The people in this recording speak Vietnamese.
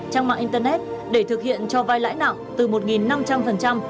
trang mạng internet để thực hiện cho vay lãi nặng từ một năm trăm linh đến hai hai trăm linh một năm